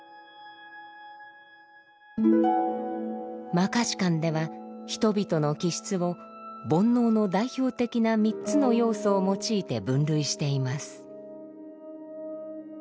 「摩訶止観」では人々の気質を煩悩の代表的な３つの要素を用いて分類しています。